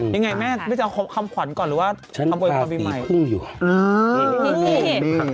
ยังไงแม่ไม่ได้เอาคำขวัญก่อนเหรอว่ามีคุ้นอยู่พี่